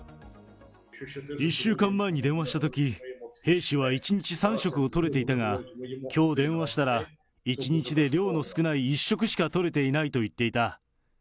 １週間前に電話したとき、兵士は１日３食を取れていたが、きょう、電話したら、１日で量の少ない１食しかとれていないと言っていた。